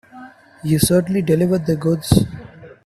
You certainly delivered the goods.